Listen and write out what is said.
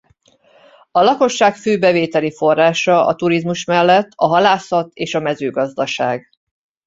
A lakosság fő bevételi forrása a turizmus mellett a halászat és a mezőgazdaság.